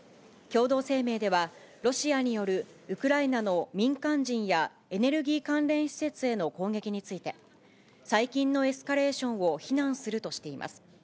共同声明では、ロシアによるウクライナの民間人やエネルギー関連施設への攻撃について、最近のエスカレーションを非難するとしています。